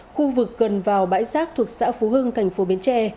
khu vực gần vào bãi rác thuộc xã phú hưng thành phố bến tre